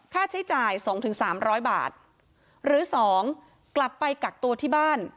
ค่าใช้จ่ายสองถึงสามร้อยบาทหรือสองกลับไปกักตัวที่บ้าน